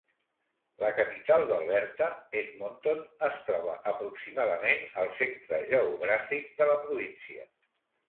La capital d'Alberta, Edmonton, es troba aproximadament al centre geogràfic de la província.